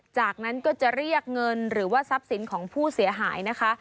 จากนั้นก็จะเรียกเงินหรือว่าทรัพย์สินของผู้เสียหายนะคะ